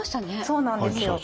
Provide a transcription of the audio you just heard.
そうなんですよ。